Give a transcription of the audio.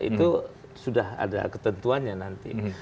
itu sudah ada ketentuannya nanti